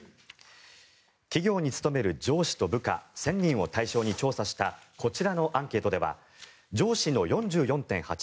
企業に勤める上司と部下１０００人を対象に調査したこちらのアンケートでは上司の４４．８％